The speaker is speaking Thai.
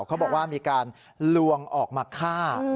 เขาบอกว่ามีการลวงออกมาฆ่า